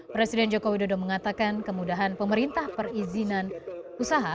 presiden joko widodo mengatakan kemudahan pemerintah perizinan usaha